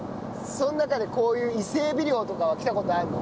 その中でこういう伊勢エビ漁とかは来た事はあるの？